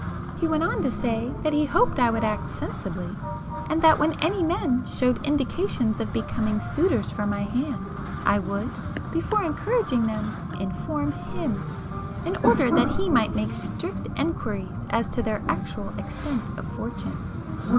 He went on to say that he hoped I would act sensibly,—and that when any men showed indications of becoming suitors for my hand, I would, before encouraging them, inform him, in order that he might make strict enquiries as to their actual extent of fortune.